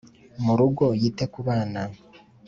mu rugo, yite ku bana,